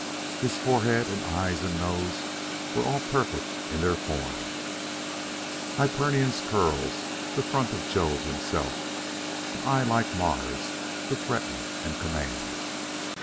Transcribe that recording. His forehead, and eyes, and nose were all perfect in their form "Hyperion's curls; the front of Jove himself; An eye like Mars, to threaten and command."